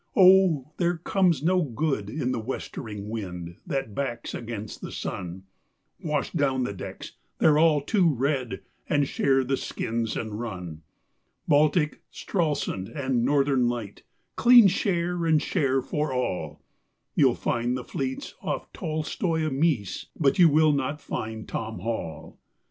"Oh, there comes no good in the westering wind that backs against the sun; Wash down the decks they're all too red and share the skins and run, Baltic, Stralsund, and Northern Light, clean share and share for all, You'll find the fleets off Tolstoi Mees, but you will not find Tom Hall.